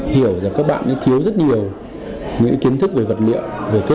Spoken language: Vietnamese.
hiểu rằng các bạn ấy thiếu rất nhiều những cái kiến thức về vật liệu về kỹ thuật và điều đó